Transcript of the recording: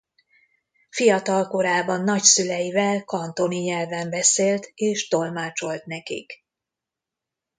Fiatal korában nagyszüleivel kantoni nyelven beszélt és tolmácsolt nekik.